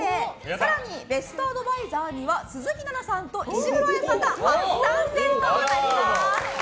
更にベストアドバイザーには鈴木奈々さんと石黒彩さんが初参戦となります。